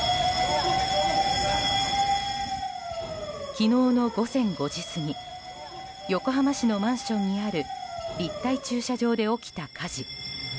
昨日の午前５時過ぎ横浜市のマンションにある立体駐車場で起きた火事。